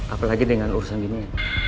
apalagi dengan urusan gini